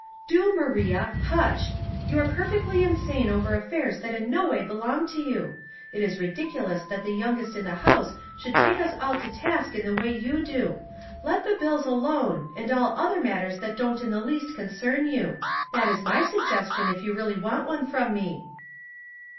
*' Do, Maria, hush. You are perfectly insane over afiairs that in no way belong to you. It is ridiculous that the youngest in the house should take us all to task in the way you do. Let the bills alone, and all other matters that don't in the least concern you. That is my suggestion, if you really want one from me."